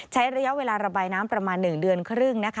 ใช้ระยะเวลาระบายน้ำประมาณ๑เดือนครึ่ง